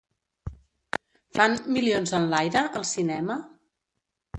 Fan "Milions enlaire" al cinema?